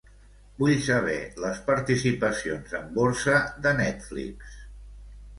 Vull saber les participacions en borsa de Netflix.